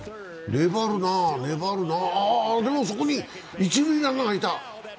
粘るなあ、ああ、でもそこに一塁ランナーがいた。